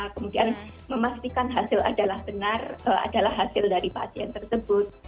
kemudian memastikan hasil adalah benar adalah hasil dari pasien tersebut